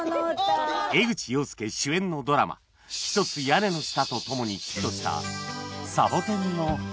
江口洋介主演のドラマ『ひとつ屋根の下』とともにヒットした『サボテンの花』